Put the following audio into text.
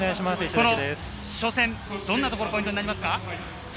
この初戦、どんなところがポイントですか？